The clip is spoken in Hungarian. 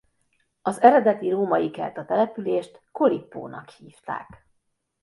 Az eredeti római-kelta települést Collippo-nak hívták.